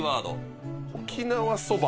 沖縄そば。